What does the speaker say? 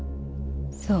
そう。